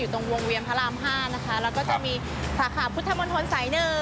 ตรงวงเวียนพระราม๕นะคะแล้วก็จะมีสาขาพุทธมนตรสาย๑